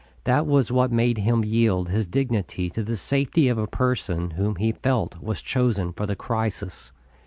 That was what made him yield his dignity to the safety of a person whom he felt was chosen for the crisis.